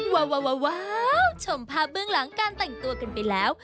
ว้าวชมภาพเบื้องหลังการแต่งตัวกันไปแล้ว